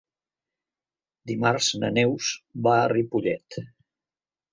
Dimarts na Neus va a Ripollet.